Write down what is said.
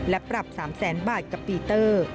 และปรับ๓แสนบาทกับปีเตอร์